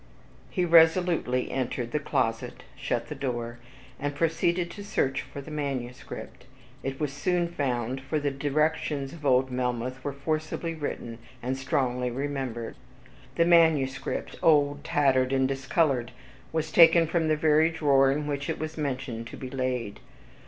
..... He resolutely entered the closet, shut the door, and proceeded to search for the manuscript. It was soon found, for the directions of old Melmoth were forcibly written, and strongly remembered. The manuscript, old, tattered, and discolored, was taken from the very drawer in which it was mentioned to be laid.